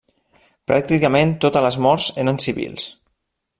Pràcticament totes les morts eren civils.